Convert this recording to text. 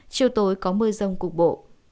chiều tối có mưa rông cục bộ